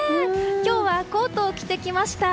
今日はコートを着てきました。